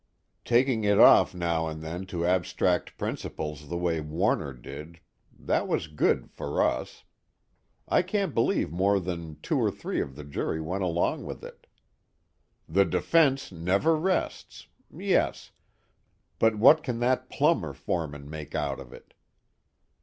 Taking it off now and then to abstract principles the way Warner did that was good, for us. I can't believe more than two or three of the jury went along with it. 'The defense never rests' yes, but what can that plumber foreman make out of it?